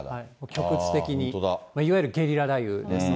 局地的に、いわゆるゲリラ豪雨ですね。